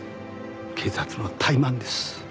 警察の怠慢です。